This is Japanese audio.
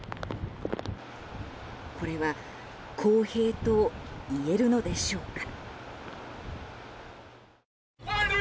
これは公平といえるのでしょうか。